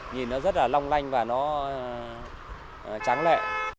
nhìn nó rất là long lanh và nó tráng lệ